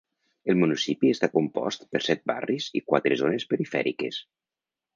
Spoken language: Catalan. El municipi està compost per set barris i quatre zones perifèriques.